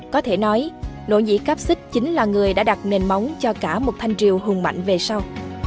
có thể nói nỗ nhĩ cáp xích chính là người đã đặt nền móng cho cả một thanh triều hùng mạnh về sau